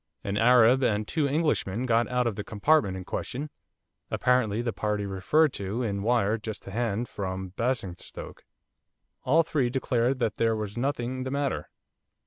An Arab and two Englishmen got out of the compartment in question, apparently the party referred to in wire just to hand from Basingstoke. All three declared that there was nothing the matter.